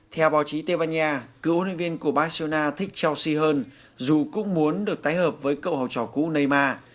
theo báo chí tây ban nha cựu huấn luyện viên của barcelona thích chelsea hơn dù cũng muốn được tái hợp với cậu hậu trò cũ neymar